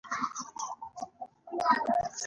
آیا دا توکي روغتیا ته زیان لري؟